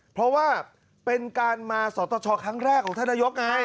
เพราะว่าเป็นการมาสตชครั้งแรกของท่านนายกไง